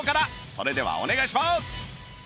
それではお願いします！